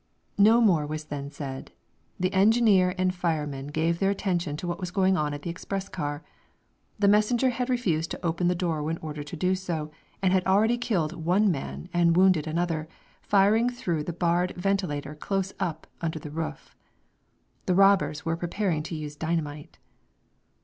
No more was then said, the engineer and fireman giving their attention to what was going on at the express car. The messenger had refused to open the door when ordered to do so, and had already killed one man and wounded another, firing through the barred ventilator close up under the roof. The robbers were preparing to use dynamite.